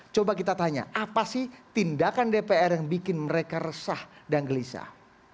coba kita tanya apa sih tindakan dpr yang bikin mereka resah dan gelisah